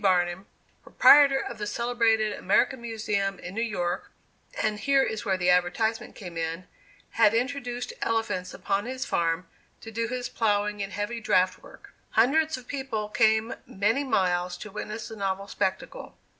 Barnum, "Proprietor of the celebrated American Museum in New York" and here is where the advertisement came in had introduced elephants upon his farm, to do his plowing and heavy draft work. Hundreds of people came many miles to witness the novel spectacle.